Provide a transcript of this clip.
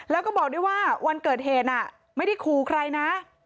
แล้วก็บอกด้วยว่าวันเกิดเหตุน่ะไม่ได้ขู่ใครนะ